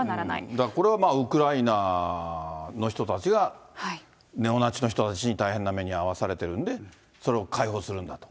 だからこれはウクライナの人たちがネオナチの人たちに大変な目に遭わされてるんで、それを解放するんだと。